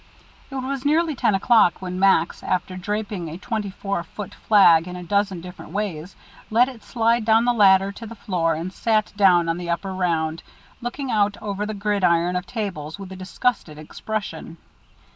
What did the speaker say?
It was nearly ten o'clock when Max, after draping a twenty four foot flag in a dozen different ways, let it slide down the ladder to the floor and sat down on the upper round, looking out over the gridiron of tables with a disgusted expression.